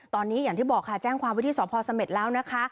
ตอนนี้อย่างที่บอกค่ะแจ้งความไว้ที่สพเสม็ดแล้วนะคะ